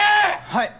はい。